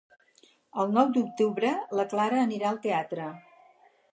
El nou d'octubre na Clara anirà al teatre.